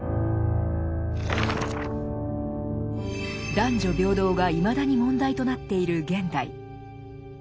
男女平等がいまだに問題となっている現代。